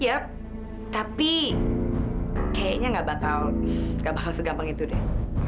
yap tapi kayaknya gak bakal segampang itu deh